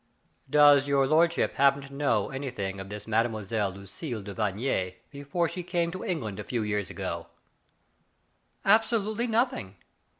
" Does your lordship happen to know anything of this Mme. Lucille de Vigny before she came to England a few years ago ?"" Absolutely nothing."